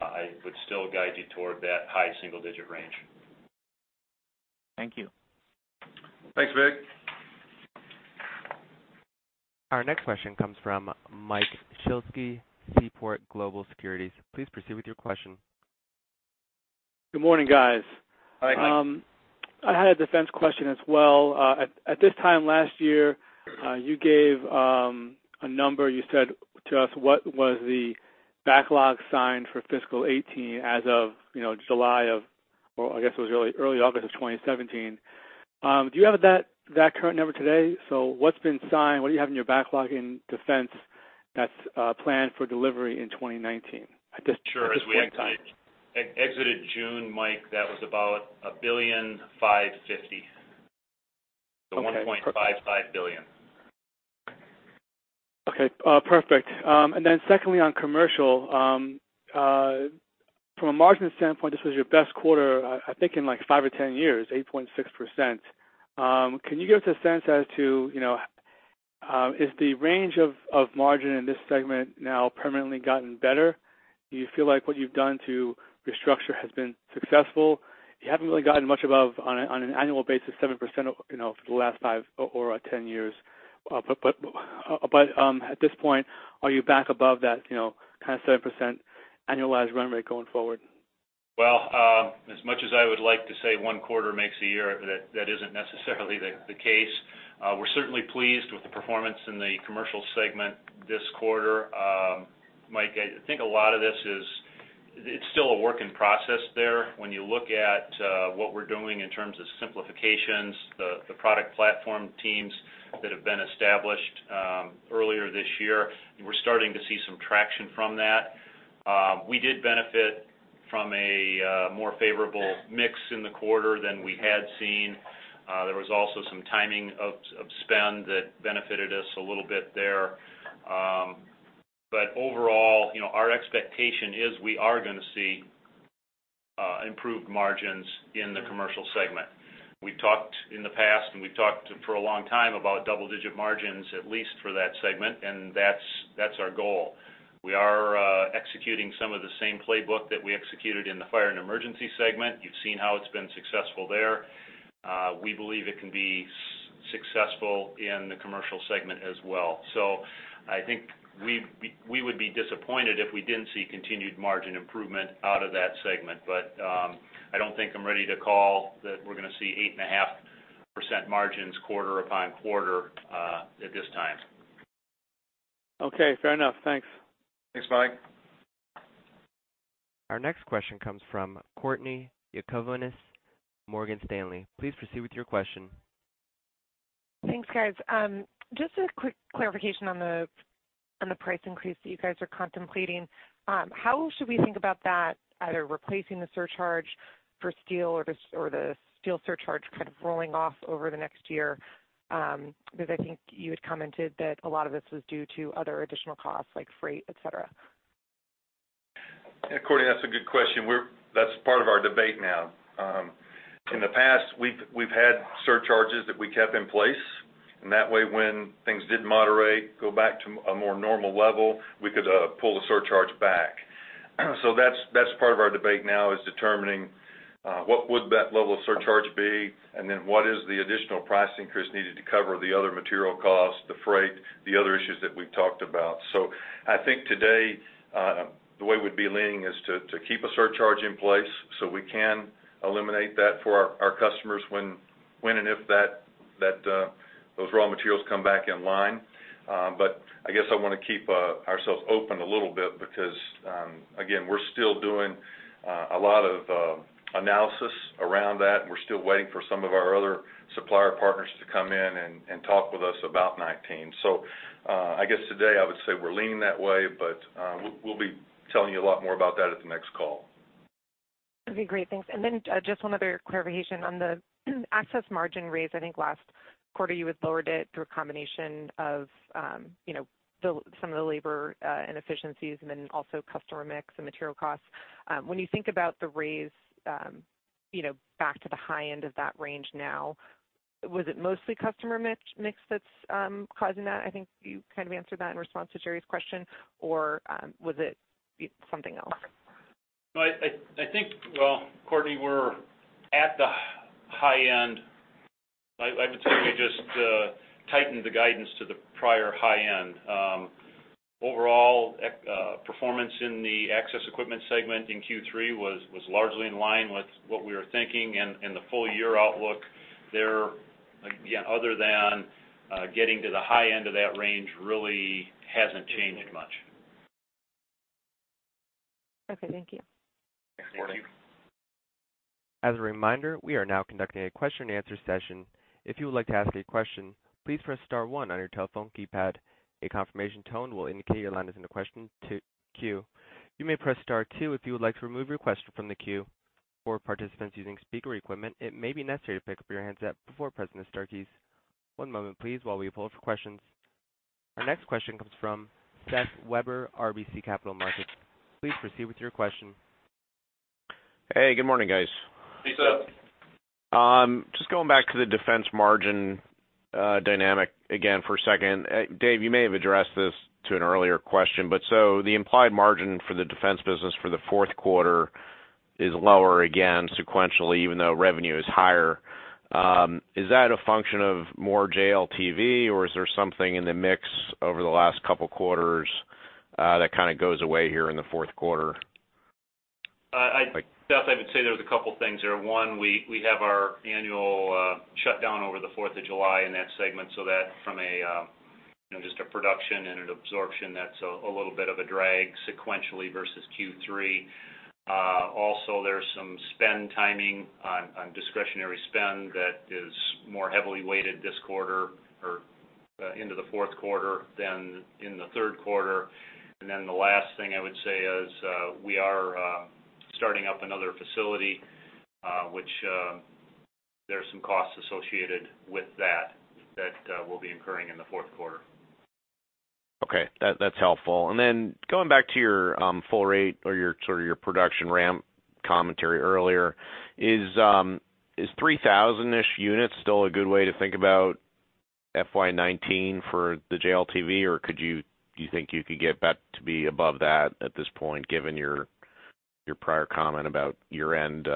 I would still guide you toward that high single-digit range. Thank you. Thanks, Mig. Our next question comes from Mike Shlisky, Seaport Global Securities. Please proceed with your question. Good morning, guys. Hi, Mike. I had a Defense question as well. At this time last year, you gave a number. You said to us what was the backlog signed for fiscal 2018 as of, you know, July of, or I guess it was early August of 2017. Do you have that current number today? So what's been signed? What do you have in your backlog in Defense? that's planned for delivery in 2019? At this- Sure. At this point in time. Exited June, Mike, that was about $1.55 billion. Okay. $1.55 billion. Okay, perfect. And then secondly, on commercial, from a margin standpoint, this was your best quarter, I think, in like 5 or 10 years, 8.6%. Can you give us a sense as to? you know, is the range of margin in this segment now permanently gotten better? Do you feel like what you've done to restructure has been successful? You haven't really gotten much above, on an annual basis, 7%, you know, for the last 5 or 10 years. But at this point, are you back above that, you know, kind of 7% annualized run rate going forward? Well, as much as I would like to say one quarter makes a year, that isn't necessarily the case. We're certainly pleased with the performance in the Commercial segment this quarter. Mike, I think a lot of this is. It's still a work in process there when you look at what we're doing in terms of simplifications, the product platform teams that have been established earlier this year, we're starting to see some traction from that. We did benefit from a more favorable mix in the quarter than we had seen. There was also some timing of spend that benefited us a little bit there. But overall, you know, our expectation is we are gonna see improved margins in the Commercial segment. We've talked in the past, and we've talked for a long time about double-digit margins, at least for that segment, and that's our goal. We are executing some of the same playbook that we executed in the Fire & Emergency segment, you've seen how it's been successful there. We believe it can be successful in the commercial segment as well. I think we would be disappointed if we didn't see continued margin improvement out of that segment, but, I don't think I'm ready to call that we're gonna see 8.5% margins quarter upon quarter at this time. Okay, fair enough. Thanks. Thanks, Mike. Our next question comes from Courtney Yakavonis, Morgan Stanley. Please proceed with your question. Thanks, guys. Just a quick clarification on the price increase that you guys are contemplating. How should we think about that? either replacing the surcharge for steel or the steel surcharge kind of rolling off over the next year? Because I think you had commented that a lot of this was due to other additional costs, like freight, et cetera. Yeah, Courtney, that's a good question. We're—that's part of our debate now. In the past, we've had surcharges that we kept in place, and that way, when things did moderate, go back to a more normal level, we could pull the surcharge back. So, that's part of our debate now is determining what would that level of surcharge be, and then what is the additional price increase needed to cover the other material costs, the freight, the other issues that we've talked about. I think today the way we'd be leaning is to keep a surcharge in place, so we can eliminate that for our customers when and if that those raw materials come back in line. But I guess I wanna keep ourselves open a little bit because, again, we're still doing a lot of analysis around that we're still waiting for some of our other supplier partners to come in and talk with us about 19. I guess today I would say we're leaning that way, but, we'll be telling you a lot more about that at the next call. That'd be great. Thanks. And then, just one other clarification. On the Access margin raise, I think last quarter, you had lowered it through a combination of, you know, the, some of the labor, and efficiencies, and then also customer mix and material costs. When you think about the raise? you know, back to the high end of that range now, was it mostly customer mix- mix that's causing that? I think you kind of answered that in response to Jerry's question, or, was it something else? I think, well, Courtney, we're at the high end. I would say we just tightened the guidance to the prior high end. Overall, our performance in the Access Equipment segment in Q3 was largely in line with what we were thinking, and the full year outlook there, again, other than getting to the high end of that range, really hasn't changed much. Okay, thank you. Thanks, Courtney. As a reminder, we are now conducting a question and answer session. If you would like to ask a question, please press star one on your telephone keypad. A confirmation tone will indicate your line is in the question queue. You may press star two if you would like to remove your question from the queue. For participants using speaker equipment, it may be necessary to pick up your handset before pressing the star keys. One moment, please, while we poll for questions. Our next question comes from Seth Weber, RBC Capital Markets. Please proceed with your question. Hey, good morning, guys. Hey, Seth. Just going back to the Defense margin dynamic again for a second. David, you may have addressed this to an earlier question, but so the implied margin for the Defense business for the Q4 is lower again sequentially, even though revenue is higher. Is that a function of more JLTV? or is there something in the mix over the last couple quarters that kind of goes away here in the Q4? Seth, I would say there's a couple things there, One, we have our annual shutdown over the 4th of July in that segment, so that from a, you know, just a production and an absorption, that's a little bit of a drag sequentially versus Q3. Also, there's some spend timing on discretionary spend that is more heavily weighted this quarter or into the Q4 than in the Q3. And then the last thing I would say is, we are starting up another facility, which there are some costs associated with that that we'll be incurring in the Q4. Okay, that's helpful. And then, going back to your full rate or sort of your production ramp commentary earlier, is 3,000-ish units still a good way to think about FY 2019 for the JLTV? Or could you do you think you could get that to be above that at this point, given your prior comment about your end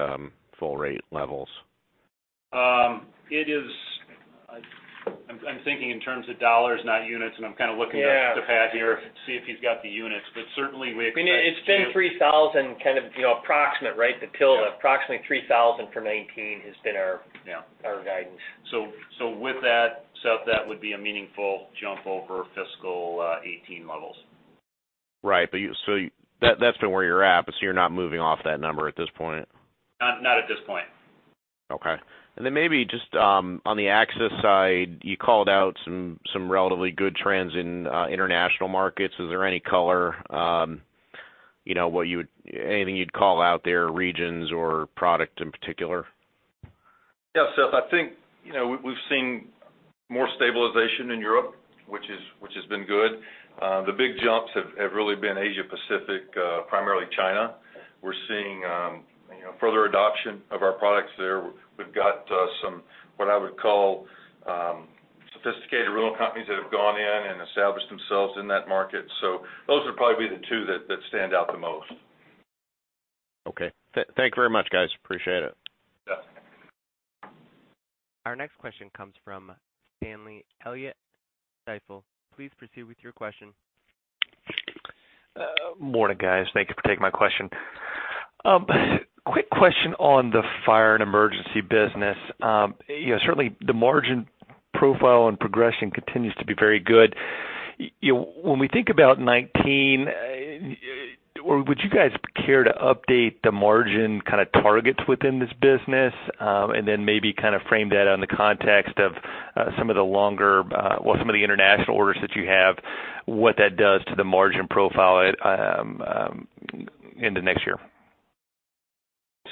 full rate levels? It is, I'm thinking in terms of dollars, not units, and I'm kind of looking back to Pat here to see if he's got the units. But certainly, I mean, it's been 3,000, kind of, you know, approximate, right? The goal of approximately 3,000 for 2019 has been our- Yeah... our guidance. So, with that, Seth, that would be a meaningful jump over fiscal 2018 levels. Right. But you. So that, that's been where you're at, but so you're not moving off that number at this point? Not, not at this point. Okay. And then maybe just on the Access side, you called out some relatively good trends in international markets is there any color, you know, anything you'd call out there, regions or product in particular? Yeah, Seth, I think, you know, we've seen more stabilization in Europe, which has been good. The big jumps have really been Asia Pacific, primarily China. We're seeing, you know, further adoption of our products there we've got, some, what I would call, sophisticated rental companies that have gone in and established themselves in that market. Those would probably be the two that stand out the most. Okay. Thank you very much, guys. Appreciate it. Yeah. Our next question comes from Stanley Elliott, Stifel. Please proceed with your question. Morning, guys. Thank you for taking my question. Quick question on the Fire & Emergency business. You know, certainly, the margin profile and progression continues to be very good. When we think about 2019, would you guys care to update the margin kind of targets within this business? And then maybe kind of frame that on the context of some of the longer, well, some of the international orders that you have, what that does to the margin profile into next year.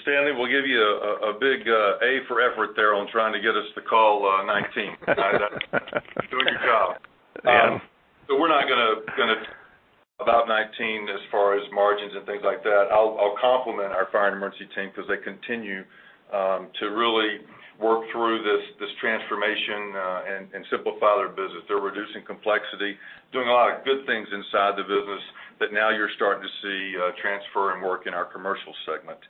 Stanley, we'll give you a big A for effort there on trying to get us to call 2019. You're doing your job. Yeah. But we're not gonna about 2019 as far as margins and things like that. I'll compliment our Fire & Emergency team because they continue to really work through this transformation and simplify their business they're reducing complexity, doing a lot of good things inside the business that now you're starting to see transfer and work in our commercial segment.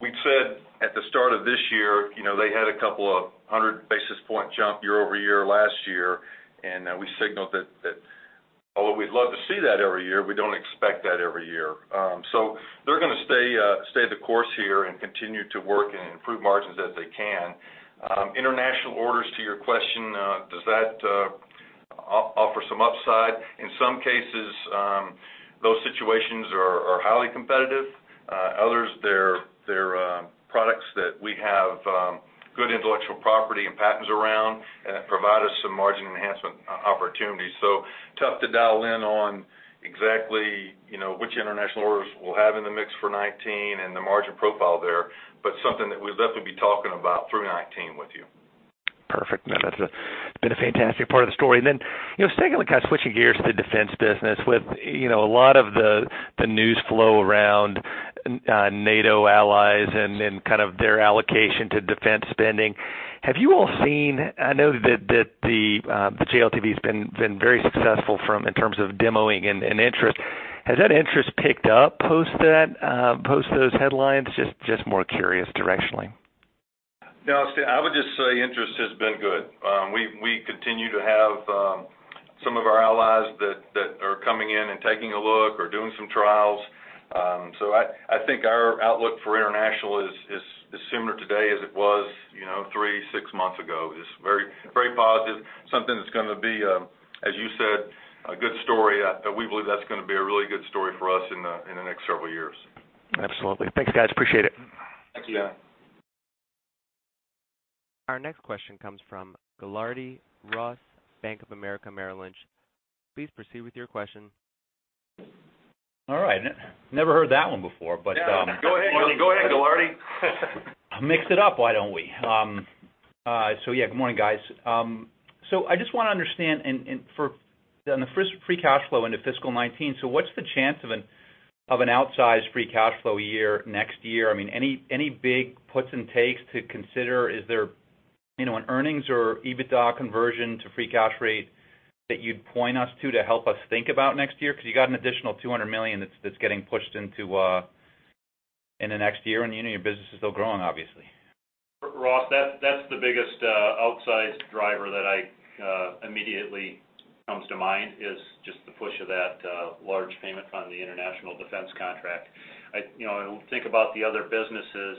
We've said at the start of this year, you know, they had a couple of 100 basis point jump year-over-year last year, and we signaled that although we'd love to see that every year, we don't expect that every year. They're gonna stay the course here and continue to work and improve margins as they can. International orders, to your question, does that offer some upside? In some cases, those situations are highly competitive? Others, they're products that we have good intellectual property and patents around, and it provide us some margin enhancement opportunities. Tough to dial in on exactly, you know, which international orders we'll have in the mix for 2019 and the margin profile there, but something that we'll definitely be talking about through 2019 with you. Perfect. No, that's been a fantastic part of the story and then, you know, secondly, kind of switching gears to the Defense business with a lot of the news flow around NATO allies and kind of their allocation to Defense spending. Have you all seen?I know that the JLTV's been very successful in terms of demoing and interest. Has that interest picked up post those headlines? Just more curious directionally. Yeah, I would just say interest has been good. We continue to have some of our allies that are coming in and taking a look or doing some trials. I think our outlook for international is similar today as it was, you know, three, six months ago. It's very, very positive, something that's gonna be, as you said, a good story. We believe that's gonna be a really good story for us in the next several years. Absolutely. Thanks, guys. Appreciate it. Thank you. Our next question comes from Ross Gilardi, Bank of America Merrill Lynch. Please proceed with your question. All right. Never heard that one before, but- Yeah. Go ahead, go ahead, Gilardi. Mix it up, why don't we? So yeah, good morning, guys. I just want to understand, and, and for on the free cash flow into fiscal 2019 what's the chance of an, of an outsized free cash flow year next year? I mean, any, any big puts and takes to consider? Is there, you know, an earnings or EBITDA conversion to free cash rate that you'd point us to, to help us think about next year? Because you got an additional $200 million that's, that's getting pushed into in the next year, and, you know, your business is still growing, obviously. Ross, that's the biggest outsized driver that I immediately comes to mind, is just the push of that large payment on the international Defense contract. You know, think about the other businesses,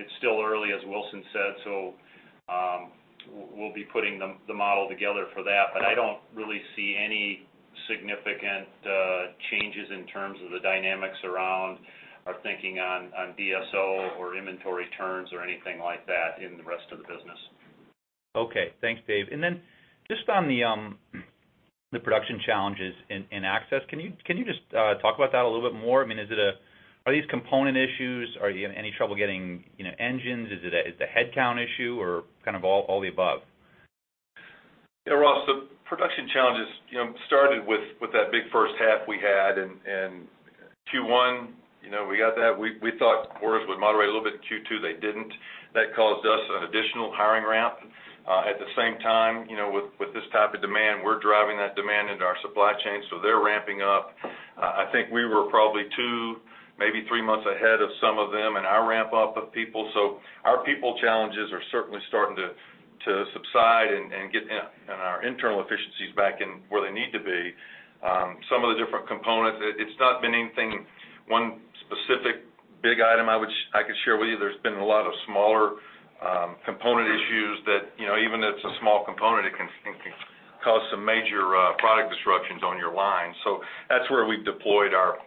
it's still early, as Wilson said. We'll be putting the model together for that, but I don't really see any significant changes in terms of the dynamics around our thinking on DSO or inventory turns or anything like that in the rest of the business. Okay. Thanks, David. And then, just on the production challenges in Access, can you just talk about that a little bit more? I mean, is it a—are these component issues? Are you having any trouble getting, you know, engines? Is it a, it's a headcount issue, or kind of all the above? Yeah, Ross, the production challenges, you know, started with that big first half we had. And Q1, you know, we got that. We thought orders would moderate a little bit in Q2, they didn't. That caused us an additional hiring ramp. At the same time, you know, with this type of demand, we're driving that demand into our supply chain, so they're ramping up. I think we were probably two, maybe three months ahead of some of them in our ramp up of people. Our people challenges are certainly starting to subside and get in and our internal efficiencies back in where they need to be. Some of the different components, it's not been anything, one specific big item I could share with you there's been a lot of smaller component issues that, you know, even if it's a small component, it can cause some major product disruptions on your line. So, that's where we've deployed our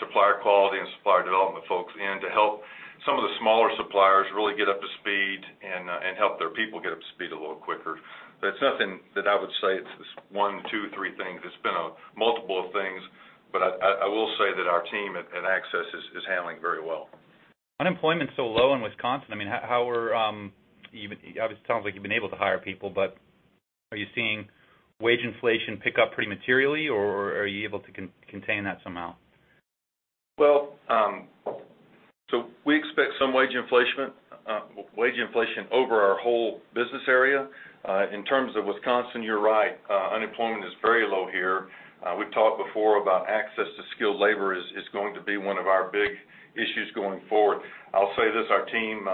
supplier quality and supplier development folks to help some of the smaller suppliers really get up to speed and help their people get up to speed a little quicker. But it's nothing that I would say it's one, two, three things it's been a multiple of things, but I will say that our team at Access is handling very well. Unemployment's so low in Wisconsin. I mean, how are you—Obviously, it sounds like you've been able to hire people, but are you seeing wage inflation pick up pretty materially? or are you able to contain that somehow? Well, so we expect some wage inflation, wage inflation over our whole business area. In terms of Wisconsin, you're right, unemployment is very low here. We've talked before about Access to skilled labor is going to be one of our big issues going forward. I'll say this, our team,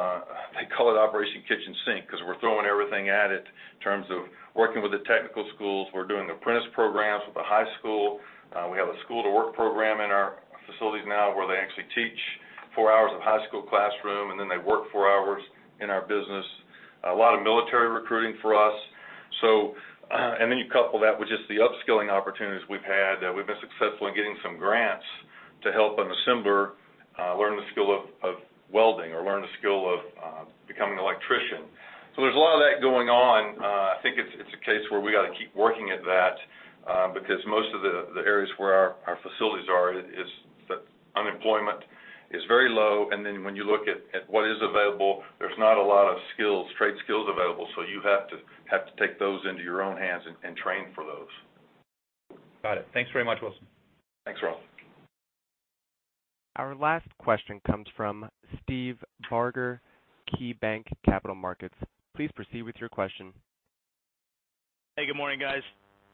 they call it Operation Kitchen Sink, 'cause we're throwing everything at it in terms of working with the technical schools. We're doing apprentice programs with the high school. We have a school-to-work program in our facilities now, where they actually teach four hours of high school classroom, and then they work four hours in our business. A lot of military recruiting for us. And then you couple that with just the upskilling opportunities we've had, that we've been successful in getting some grants, to help an assembler learn the skill of welding or learn the skill of becoming an electrician. So there's a lot of that going on. I think it's a case where we gotta keep working at that, because most of the areas where our facilities are, the unemployment is very low, and then when you look at what is available, there's not a lot of skills, trade skills available, so you have to take those into your own hands and train for those. Got it. Thanks very much, Wilson. Thanks, Ross. Our last question comes from Steve Barger, KeyBanc Capital Markets. Please proceed with your question. Hey, good morning, guys.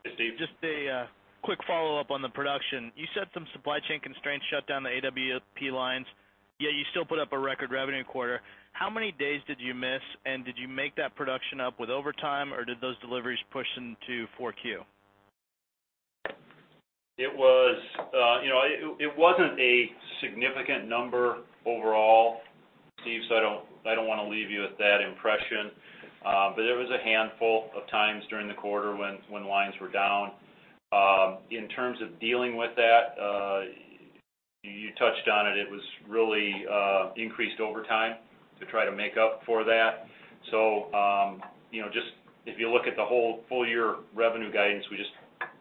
Hey, Steve. Just a quick follow-up on the production. You said some supply chain constraints shut down the AWP lines, yet you still put up a record revenue quarter. How many days did you miss? and did you make that production up with overtime, or did those deliveries push into 4Q? It was, you know, it wasn't a significant number overall, Steve, I don't wanna leave you with that impression. But there was a handful of times during the quarter when lines were down. In terms of dealing with that, you touched on it, it was really increased overtime to try to make up for that. So, you know, just if you look at the whole full-year revenue guidance, we just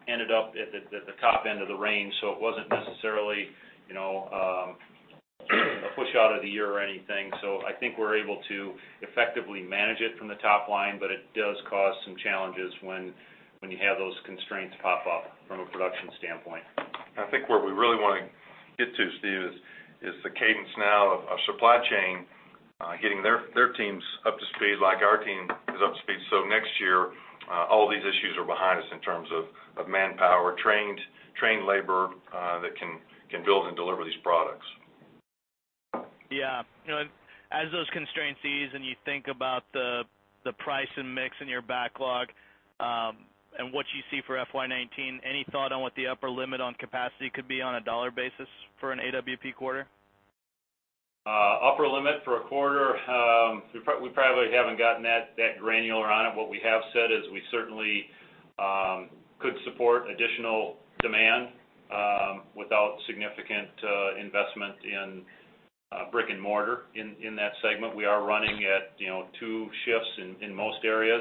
ended up at the top end of the range, it wasn't necessarily, you know, a push out of the year or anything. I think we're able to effectively manage it from the top line, but it does cause some challenges when you have those constraints pop up from a production standpoint. I think where we really wanna get to, Steve, is the cadence now of supply chain getting their teams up to speed like our team is up to speed, next year, all these issues are behind us in terms of manpower, trained labor that can build and deliver these products. Yeah. You know, as those constraints ease and you think about the price and mix in your backlog, and what you see for FY 2019, any thought on what the upper limit on capacity could be on a dollar basis for an AWP quarter? Upper limit for a quarter, we probably haven't gotten that granular on it what we have said is we certainly could support additional demand. Without significant investment in brick-and-mortar in that segment we are running at, you know, two shifts in most areas.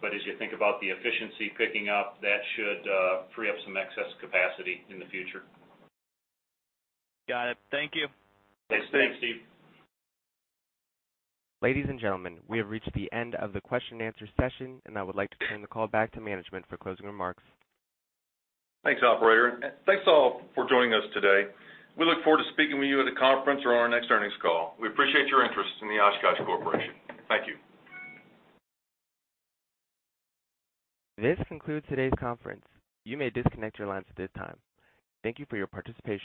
But as you think about the efficiency picking up, that should free up some excess capacity in the future. Got it. Thank you. Thanks, Steve. Thanks, Steve. Ladies and gentlemen, we have reached the end of the question and answer session, and I would like to turn the call back to management for closing remarks. Thanks, operator. Thanks, all, for joining us today. We look forward to speaking with you at a conference or on our next earnings call. We appreciate your interest in the Oshkosh Corporation. Thank you. This concludes today's conference. You may disconnect your lines at this time. Thank you for your participation.